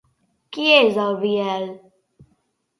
Qui és el Biel?